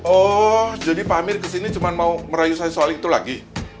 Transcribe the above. oh jadi pak amir kesini cuma mau merayu saya soal itu lagi